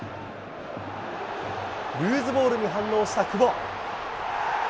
ルーズボールに反応した久保。